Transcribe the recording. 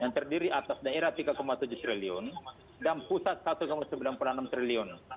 yang terdiri atas daerah rp tiga tujuh triliun dan pusat rp satu sembilan puluh enam triliun